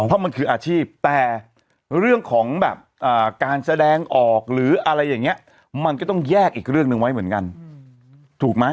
เพราะมันคืออาชีพแต่เรื่องของแบบการแสดงออกหรืออะไรอย่างนี้มันก็ต้องแยกอีกเรื่องหนึ่งไว้เหมือนกันถูกไหม